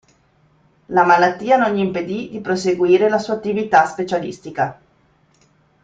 La malattia non gli impedì di proseguire la sua attività specialistica.